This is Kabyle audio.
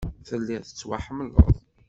Telliḍ tettwaḥemmleḍ.